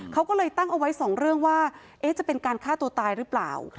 เขาก็เลยตั้งเอาไว้สองเรื่องว่าจะเป็นการฆ่าตัวตายหรือเปล่า